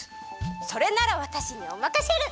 それならわたしにおまかシェル！